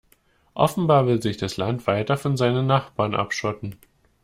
Offenbar will sich das Land weiter von seinen Nachbarn abschotten.